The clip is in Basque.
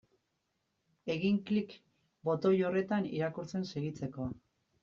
Egin klik botoi horretan irakurtzen segitzeko.